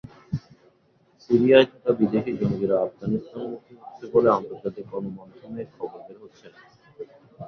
সিরিয়ায় থাকা বিদেশি জঙ্গিরা আফগানিস্তানমুখী হচ্ছে বলে আন্তর্জাতিক গণমাধ্যমে খবর বের হচ্ছে।